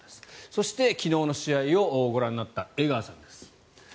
そして、昨日の試合をご覧になった江川さんです。